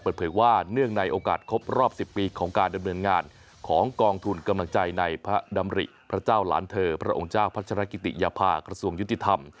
เปิดเผยว่าเนื่องในโอกาสครบรอบ๑๐ปีของการดำเนินงานของกองทุนกำลังใจในพระดำริพระเจ้าหลานเธอพระองค์เจ้าพัชรกิติยภากระทรวงยุติธรรม